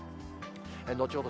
後ほど